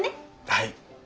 はい。